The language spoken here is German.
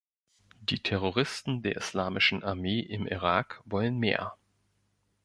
Die Terroristen der islamischen Armee im Irak wollen mehr.